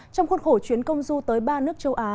trong khuôn khổ chuyến công du tới ba nước châu á